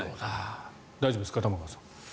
大丈夫ですか玉川さん。